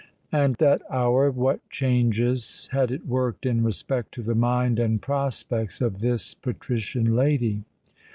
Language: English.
And that hour—what changes had it worked in respect to the mind and prospects of this patrician lady!